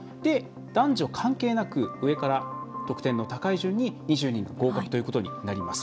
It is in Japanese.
男女関係なく上から得点の高い順に２０人合格ということになります。